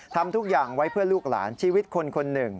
ทำทุกอย่างไว้เพื่อลูกหลานชีวิตคนคนหนึ่ง